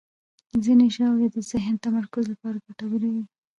ځینې ژاولې د ذهني تمرکز لپاره ګټورې وي.